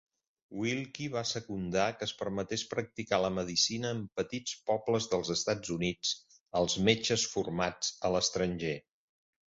Willkie va secundar que es permetés practicar la medicina en petits pobles dels Estats Units als metges formats a l'estranger.